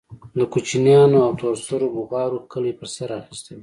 د کوچنيانو او تور سرو بوغارو کلى په سر اخيستى و.